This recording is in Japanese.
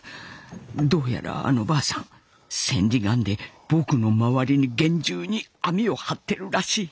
どうやらあの婆さん千里眼で僕の周りに厳重に網を張ってるらしい。